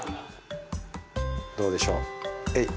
どうでしょうえい。